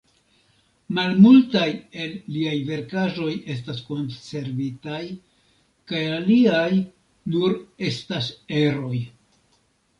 Malmultaj el liaj verkaĵoj estas konservitaj kaj aliaj nur estas eroj.